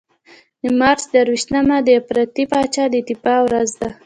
د مارچ درویشتمه د افراطي پاچا د دفاع ورځ ده.